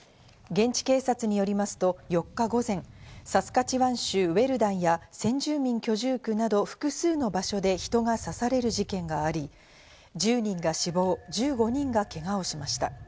現地警察によりますと４日午前、サスカチワン州ウェルダンや先住民居住区など複数の場所で人が刺される事件があり、１０人が死亡、１５人がけがをしました。